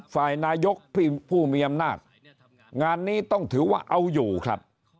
ฝ่ายนายกผู้มีอำนาจงานนี้ต้องถือว่าเอาอยู่ครับ